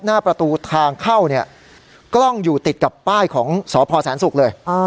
หน้าประตูทางเข้าเนี่ยกล้องอยู่ติดกับป้ายของสพแสนศุกร์เลย